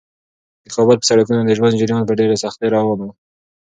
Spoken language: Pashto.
د کابل په سړکونو کې د ژوند جریان په ډېرې سختۍ روان و.